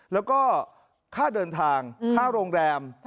แล้วก็ค่าเดินทางค่าโรงแรม